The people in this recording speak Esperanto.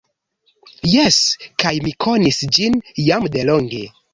Jes, kaj mi konis ĝin jam delonge.